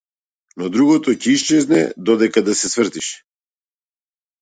Но другото ќе исчезне додека да се свртиш.